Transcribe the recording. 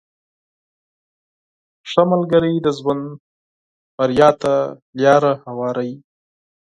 • ښه ملګری د ژوند بریا ته لاره هواروي.